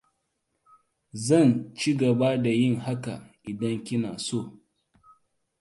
Zan ci gaba da yin hakan idan kina so.